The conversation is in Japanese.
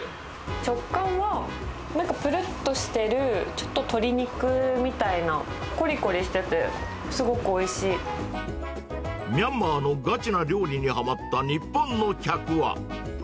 食感はなんかぷるっとしてる、ちょっと鶏肉みたいな、こりこりミャンマーのガチな料理にはまった日本の客は。